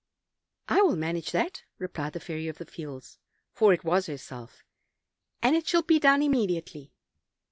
"I will manage that," replied the Fairy of the Fields, for it was herself, "and it shall be done immediately."